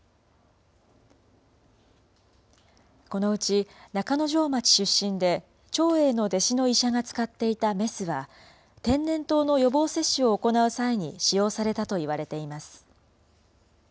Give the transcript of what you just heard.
このうち、中之条町出身で、長英の弟子の医者が使っていたメスは、天然痘の予防接種を行う際に使用されたといわれています。